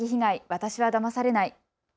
私はだまされない。